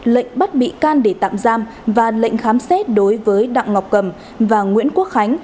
lệnh bắt bị can để tạm giam và lệnh khám xét đối với đặng ngọc cầm và nguyễn quốc khánh